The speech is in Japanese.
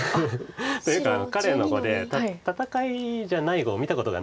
というか彼の碁で戦いじゃない碁を見たことがない。